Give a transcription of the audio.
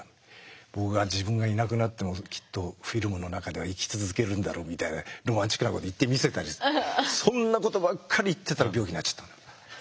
僕が自分がいなくなってもきっとフィルムの中では生き続けるんだろみたいなロマンチックなこと言ってみせたりそんなことばっかり言ってたら病気になっちゃった。